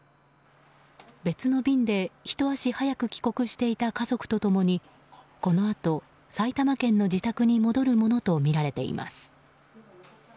別の便で、ひと足早く帰国していた家族と共にこのあと埼玉県の自宅に戻るものとみられています。